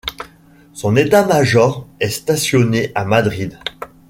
Son état-major est stationné à Madrid.